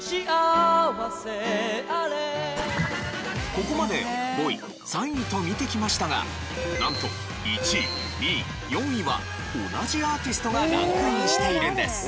ここまで５位３位と見てきましたがなんと１位２位４位は同じアーティストがランクインしているんです。